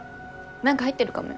何か入ってるかもよ。